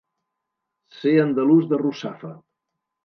Ser andalús de Russafa.